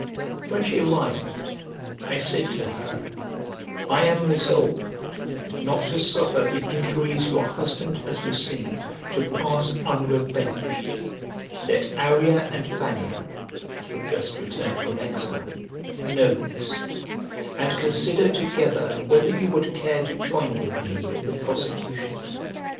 When she arrived, I said to her, "I am resolved not to suffer the injuries your husband has received, to pass unrevenged; let Arria and Fannia" (who were just returned from exile) "know this; and consider together whether you would care to join with me in the prosecution.